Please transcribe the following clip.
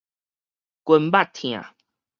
筋肉疼